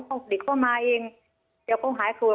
พ่อผลิกก็มาเองเดี๋ยวพ่อหายตัว